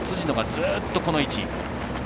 ずっと、この位置。